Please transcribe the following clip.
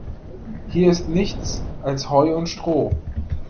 Hier ist nichts als Heu und Stroh.